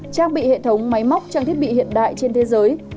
trang bị hệ thống máy móc trang thiết bị hiện đại trên thế giới